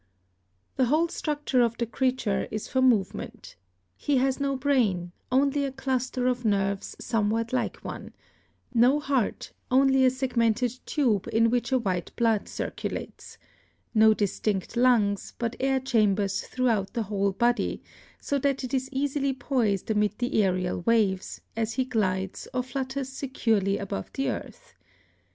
The whole structure of the creature is for movement. He has no brain, only a cluster of nerves somewhat like one; no heart, only a segmented tube, in which a white blood circulates; no distinct lungs, but air chambers throughout the whole body, so that it is easily poised amid the aerial waves, as he glides, or flutters securely above the earth.